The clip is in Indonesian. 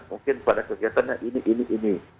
mungkin pada kegiatannya ini ini ini